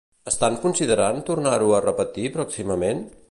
Estan considerant tornar-ho a repetir pròximament?